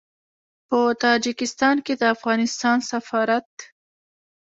په تاجکستان کې د افغانستان سفارت